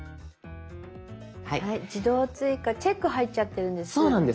「自動追加」チェック入っちゃってるんです。